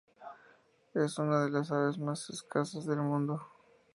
Es una de las aves más escasas del mundo.